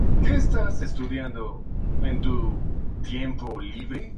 Fue asignado al equipo de novatos, Gulf Coast League Tigers.